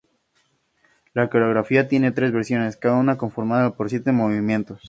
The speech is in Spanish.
La coreografía tiene tres versiones, cada una conformada por siete movimientos.